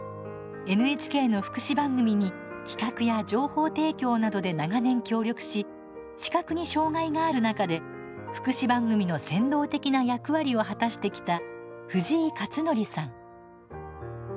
ＮＨＫの福祉番組に企画や情報提供などで長年協力し視覚に障害がある中で福祉番組の先導的な役割を果たしてきた藤井克徳さん。